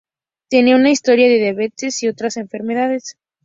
Tenía una historia de diabetes y otras enfermedades.